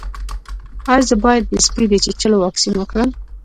ایا زه باید د سپي د چیچلو واکسین وکړم؟